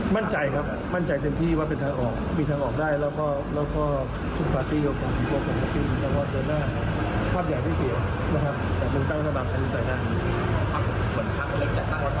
มั่นใจครับมั่นใจแตนที่ว่าเป็นทางออก